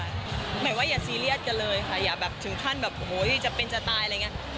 หมายว่าอย่าซีเรียสกันเลยค่ะอย่าแบบถึงขั้นแบบโอ้โหจะเป็นจะตายอะไรอย่างนี้